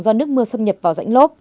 do nước mưa xâm nhập vào rãnh lốp